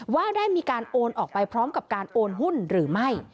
ว่าได้มีการโอนออกไปพร้อมกับการโอนหุ้นหรือไม่